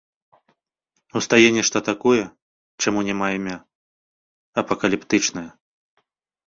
Устае нешта такое, чаму няма імя, апакаліптычнае.